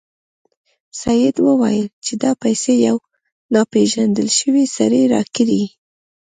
سید وویل چې دا پیسې یو ناپيژندل شوي سړي راکړې.